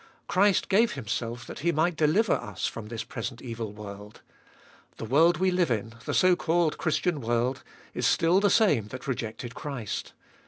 Christ gave Himself that He might deliver us from this present evil world. The world we live in, the so called Christian world, is still the same that rejected Christ.